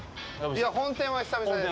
本店は久々です。